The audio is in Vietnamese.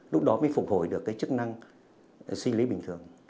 lúc đó mới phục hồi được cái chức năng sinh lý bình thường